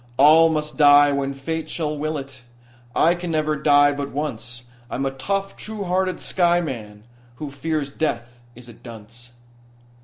All must die when fate shall will it, I can never die but once, I'm a tough, true hearted skyman; He who fears death is a dunce.